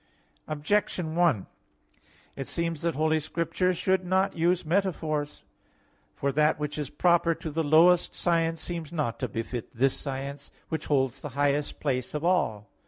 Objection 1: It seems that Holy Scripture should not use metaphors. For that which is proper to the lowest science seems not to befit this science, which holds the highest place of all.